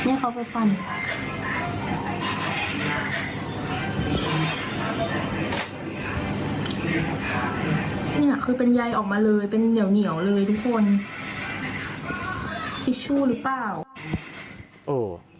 เนี่ยคือเป็นใยออกมาเลยเป็นเหนียวเหนียวเลยทุกคน